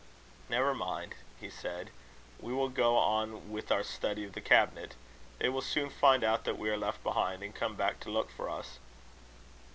"Never mind," he said, "we will go on with our study of the cabinet. They will soon find out that we are left behind, and come back to look for us."